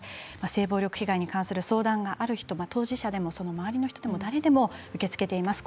性暴力被害に関する相談がある方当事者でも周りの方でも誰でも受け付けています。